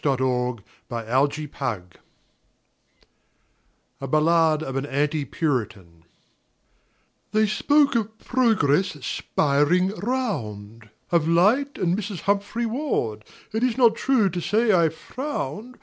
A, D, Godley, A BALLADE OF AN ANTI PURITAN They spoke of Progress spiring round, Of Light and Mrs. Humphry Ward — It is not true to say I frowned.